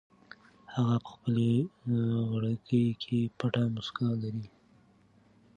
هغه په خپلې غړکۍ کې پټه موسکا لري.